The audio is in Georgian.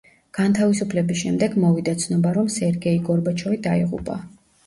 განთავისუფლების შემდეგ მოვიდა ცნობა, რომ სერგეი გორბაჩოვი დაიღუპა.